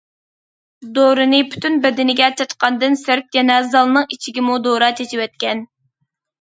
دورىنى پۈتۈن بەدىنىگە چاچقاندىن سىرت يەنە زالنىڭ ئىچىگىمۇ دورا چېچىۋەتكەن.